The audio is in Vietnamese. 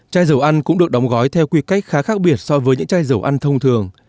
chai dầu ăn cũng được đóng gói theo quy cách khá khác biệt so với những chai dầu ăn thông thường